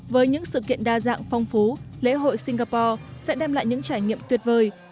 với những sự kiện đa dạng phong phú lễ hội singapore sẽ đem lại những trải nghiệm tuyệt vời